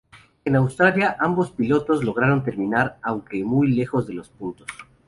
En Australia ambos pilotos lograron terminar aunque muy lejos de los puntos.